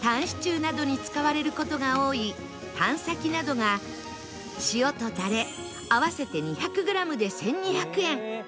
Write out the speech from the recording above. シチューなどに使われる事が多いたん先などがしおとたれ合わせて２００グラムで１２００円